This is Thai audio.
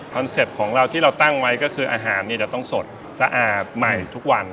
เซ็ปต์ของเราที่เราตั้งไว้ก็คืออาหารจะต้องสดสะอาดใหม่ทุกวัน